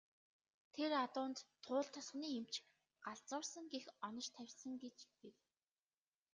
Тэр адуунд Туул тосгоны эмч "галзуурсан" гэх онош тавьсан гэж гэв.